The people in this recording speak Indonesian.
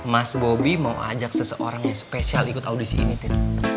mas bobi mau ajak seseorang yang spesial ikut audisi ini tim